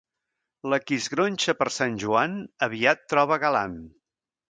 La qui es gronxa per Sant Joan, aviat troba galant.